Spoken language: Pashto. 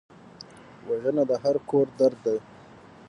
وژنه د هر کور درد دی